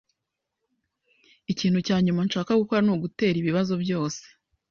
Ikintu cya nyuma nshaka gukora ni ugutera ibibazo byose.